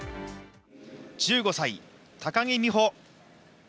１５歳、高木美帆。